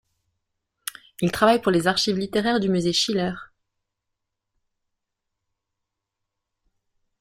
Il travaille pour les archives littéraires du musée Schiller.